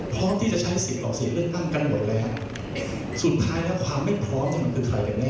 พร้อมที่จะใช้ศิลป์หรอกว่าเสียเลือกตั้งกันหมดแล้วสุดท้ายประมาณพร้อมเป็นใครแน่